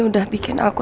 udah bikin aku